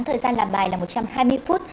thời gian làm bài là một trăm hai mươi phút